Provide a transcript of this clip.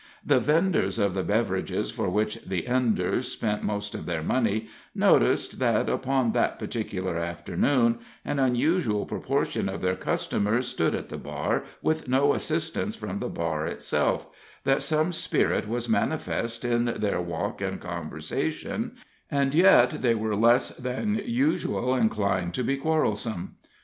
The venders of the beverages for which the Enders spent most of their money noticed that, upon that particular afternoon, an unusual proportion of their customers stood at the bar with no assistance from the bar itself, that some spirit was manifest in their walk and conversation, and yet they were less than usual inclined to be quarrelsome.